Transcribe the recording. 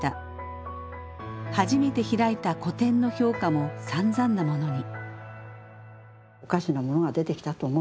初めて開いた個展の評価もさんざんなものに。